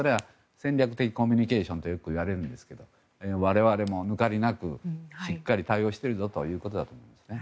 戦略的コミュニケーションとよくいわれるんですけど我々もぬかりなくしっかり対応してるぞということだと思います。